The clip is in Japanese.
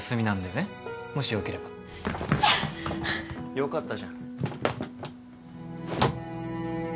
よかったじゃん。